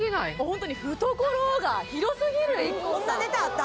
ホントにふところが広すぎるそんなネタあった？